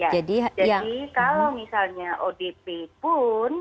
jadi kalau misalnya odp pun